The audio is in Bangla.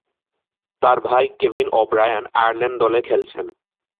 তার ভাই কেভিন ও’ব্রায়ান আয়ারল্যান্ড দলে খেলছেন।